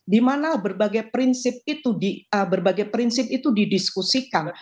di mana berbagai prinsip itu didiskusikan